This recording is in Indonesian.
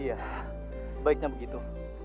iya sebaiknya begitu